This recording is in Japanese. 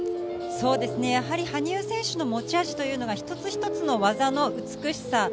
やはり羽生選手の持ち味というのが一つ一つの技の美しさ。